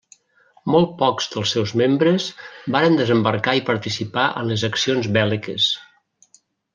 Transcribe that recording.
Molt pocs dels seus membres varen desembarcar i participar en les accions bèl·liques.